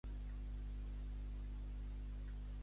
Alexandre Cuéllar i Bassols va ser un escriptor nascut a Olot.